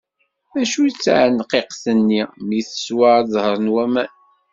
D acu i d taɛenqiqt-nni, mi teswa ad d-dehṛen wamaw.